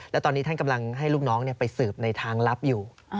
และตอนนี้ท่านกำลังให้ลูกน้องไปสืบในทางลับอยู่